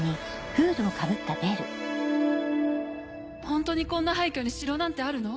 ホントにこんな廃虚に城なんてあるの？